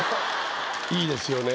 いいですよね